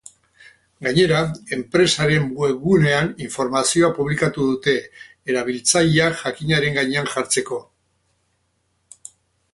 Gainera, enpresaren webgunean informazioa publikatu dute, erabiltzaileak jakinaren gainean jartzeko.